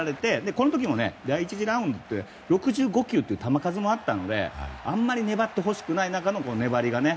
この時も第１次ラウンドは６５球という球数もあったのであんまり粘ってほしくない中での粘りがね。